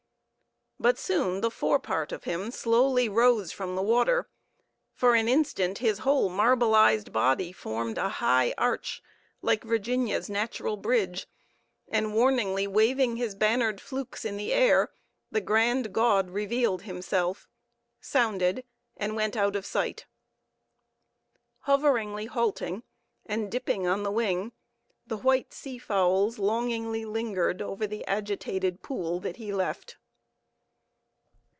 But soon the fore part of him slowly rose from the water; for an instant his whole marbleized body formed a high arch, like Virginia's Natural Bridge, and warningly waving his bannered flukes in the air, the grand god revealed himself, sounded, and went out of sight. Hoveringly halting, and dipping on the wing, the white sea fowls longingly lingered over the agitated pool that he left.